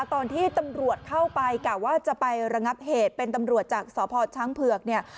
ตอนที่ตำรวจเข้าไปกะว่าจะไประงับเหตุเป็นตำรวจจากสพช้างเผือกเนี่ย